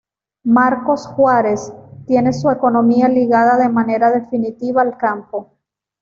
Marcos Juárez tiene su economía ligada de manera definitiva al campo.